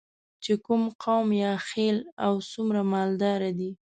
چې کوم قوم یا خیل او څومره مالداره دی.